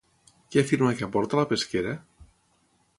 Què afirma que aporta la pesquera?